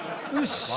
よし。